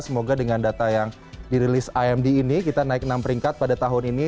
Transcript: semoga dengan data yang dirilis imd ini kita naik enam peringkat pada tahun ini